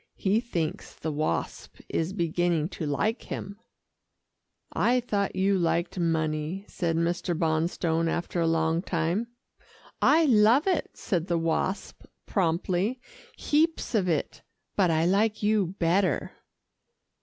He thinks the Wasp is beginning to like him." "I thought you liked money," said Mr. Bonstone after a long time. "I love it," said the Wasp promptly, "heaps of it, but I like you better."